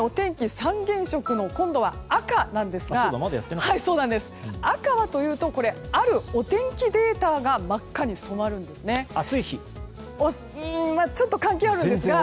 ３原色の赤なんですが赤はというとあるお天気データが真っ赤に染まるんですね。